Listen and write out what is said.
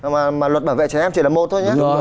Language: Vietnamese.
mà luật bảo vệ trẻ em chỉ là một thôi